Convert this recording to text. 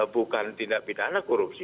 bukan tindak pidana korupsi